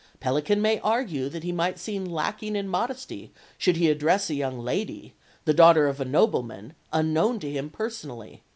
Pellican may argue that he might seem lacking in modesty should he address a young lady, the daughter of a nobleman, unknown to him personally.